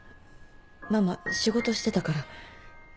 ママ仕事してたから。